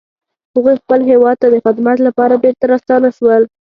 هغوی خپل هیواد ته د خدمت لپاره بیرته راستانه شول